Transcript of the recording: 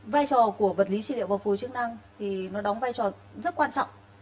vai trò của vật lý trị liệu và phù chức năng thì nó đóng vai trò rất quan trọng